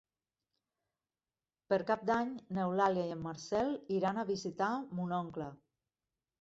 Per Cap d'Any n'Eulàlia i en Marcel iran a visitar mon oncle.